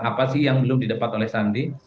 apa sih yang belum didapat oleh sandi